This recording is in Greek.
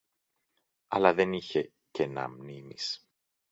αλλά δεν είχε κενά μνήμης